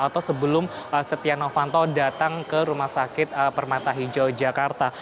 atau sebelum setia novanto datang ke rumah sakit permata hijau jakarta